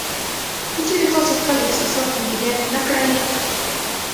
که چېرې تاسې خپل احساسات مدیریت نه کړئ